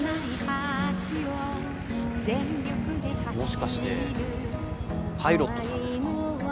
もしかしてパイロットさんですか？